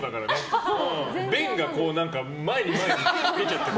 弁が前に前に出ちゃってる。